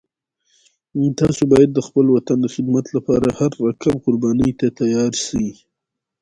تاسو باید د خپل وطن د خدمت لپاره هر رقم قربانی ته تیار شئ